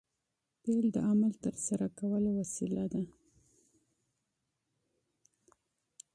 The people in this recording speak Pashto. فعل د عمل د ترسره کولو وسیله ده.